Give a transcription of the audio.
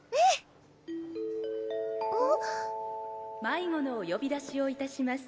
アナウンス「迷子のおよび出しをいたします」